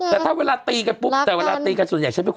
แต่เเวลาตีกันพี่ก็เป็นตอนช่วย